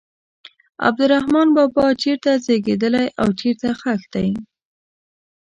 عبدالرحمان بابا چېرته زیږېدلی او چیرې ښخ دی.